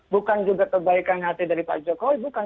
bukan juga kebaikan hati dari pak jokowi bukan